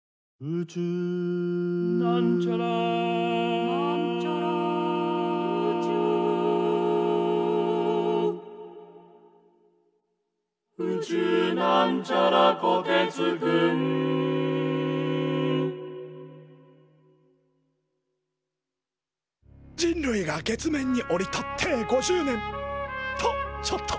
「宇宙」人類が月面に降り立って５０年。とちょっと。